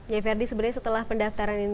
ya ferdi sebenarnya setelah pendaftaran ini